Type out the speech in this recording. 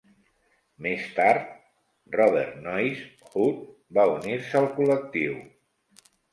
Més tard, Robert "Noise" Hood va unir-se al col·lectiu.